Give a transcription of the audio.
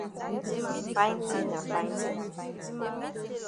Fine tin na fine tin.